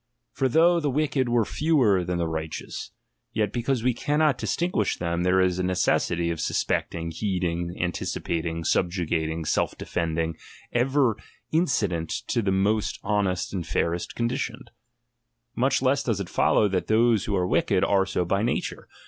For though the wicked were fewer than the righteous, yet because we cannot distinguish them, there is a necessity of sus pecting, heeding, anticipating, subjugating, self defending, ever incident to the most honest and fairest conditioned. Much less does it follow, that those who are wicked, are so by nature.